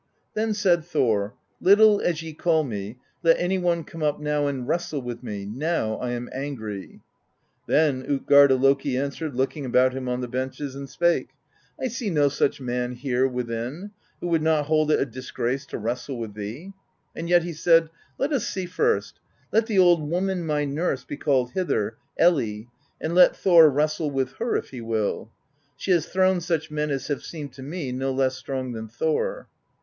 "Then said Thor: 'Little as ye call me, let any one come up now and wrestle with me; now I am angry.' Then tJtgarda Loki answered, looking about him on the benches, and spake: 'I see no such man here within, who would not hold it a disgrace to wrestle with thee;' and yet he said: 'Let us see first; let the old woman my nurse be called hither, Elli, and let Thor wrestle with her if he will. She has thrown such men as have seemed to me no less strong than Thor.'